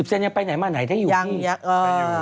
๔๐เซนต์ยังไปไหนมาไหนยังอยู่ที่ยังอยู่